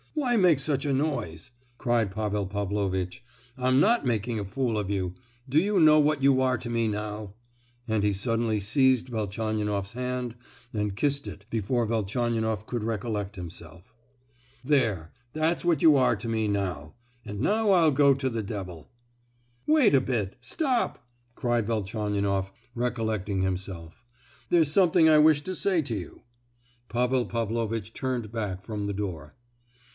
Why make such a noise?" cried Pavel Pavlovitch. "I'm not making a fool of you! Do you know what you are to me now?" and he suddenly seized Velchaninoff's hand, and kissed it before Velchaninoff could recollect himself. "There, that's what you are to me now; and now I'll go to the devil." "Wait a bit—stop!" cried Velchaninoff, recollecting himself; "there's something I wished to say to you." Pavel Pavlovitch turned back from the door.